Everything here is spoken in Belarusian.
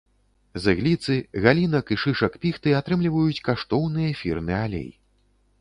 З ігліцы, галінак і шышак піхты атрымліваюць каштоўны эфірны алей.